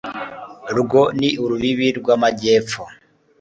urwo ni urubibi rw'amajyepfo